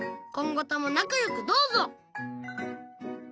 今後とも仲良くどうぞ！